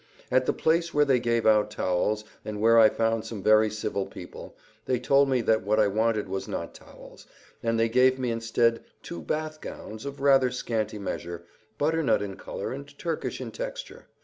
At the place where they gave out towels, and where I found some very civil people, they told me that what I wanted was not towels, and they gave me instead two bath gowns, of rather scanty measure, butternut in color and Turkish in texture.